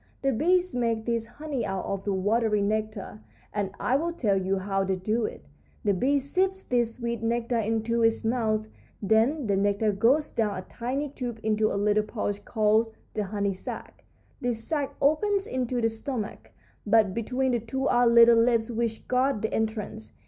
The bees make this honey out of the watery nectar, and I will tell you how they do it. The bee sips this sweet nectar into its mouth, then the nectar goes down a tiny tube into a little pouch called the honey sac. This sac opens into the stomach, but between the two are little lips which guard the entrance.